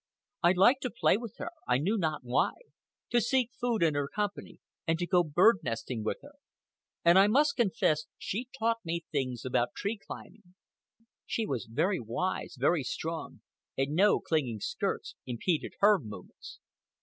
I liked to play with her, I knew not why, to seek food in her company, and to go bird nesting with her. And I must confess she taught me things about tree climbing. She was very wise, very strong, and no clinging skirts impeded her movements.